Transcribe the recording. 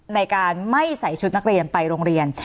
ในการไม่ใส่ชุดนักเรียนไปโรงเรียน